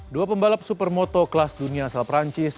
dua pembalap supermoto kelas dunia asal perancis